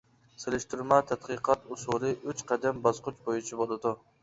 سېلىشتۇرما تەتقىقات ئۇسۇلى ئۈچ قەدەم باسقۇچ بويىچە بولىدۇ.